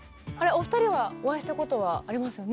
お二人はお会いしたことはありますよね。